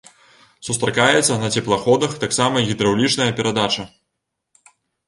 Сустракаецца на цеплаходах таксама і гідраўлічная перадача.